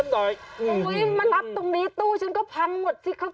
ตู้ฉี่ผมทำให้พังหมด